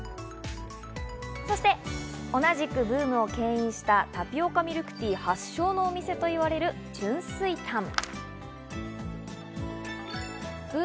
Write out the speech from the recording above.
そして同じくブームをけん引したタピオカミルクティー発祥のお店といわれる春水堂。